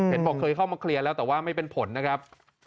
บอกเคยเข้ามาเคลียร์แล้วแต่ว่าไม่เป็นผลนะครับ